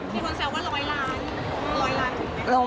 มีคนแซวว่ารอยล้าน